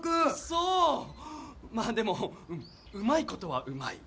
まあでもうまいことはうまい。